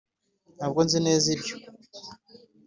ntabwo nzi neza ibyo